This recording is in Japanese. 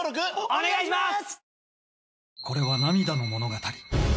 お願いします。